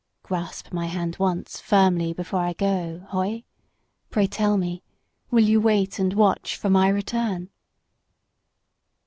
"Grasp my hand once firmly before I go, Hoye. Pray tell me, will you wait and watch for my return?"